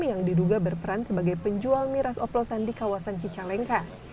yang diduga berperan sebagai penjual miras oplosan di kawasan cicalengka